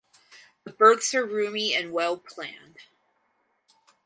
The births are roomy and well planned.